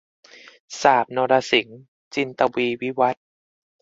สาบนรสิงห์ - จินตวีร์ วิวัธน์